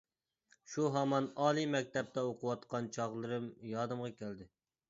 شۇ ھامان ئالىي مەكتەپتە ئوقۇۋاتقان چاغلىرىم يادىمغا كەلدى.